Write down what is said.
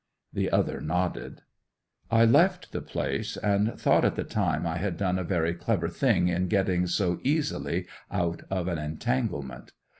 The other nodded. 'I left the place, and thought at the time I had done a very clever thing in getting so easily out of an entanglement.